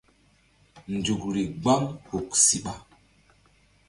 Nzukri gbam huk siɓa.